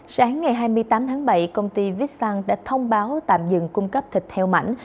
sáng ngày hai mươi tám tháng bảy công ty vixon đã thông báo tạm dừng cung cấp thịt heo mạnh